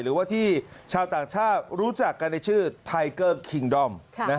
หรือว่าที่ชาวต่างชาติรู้จักกันในชื่อไทเกอร์คิงดอม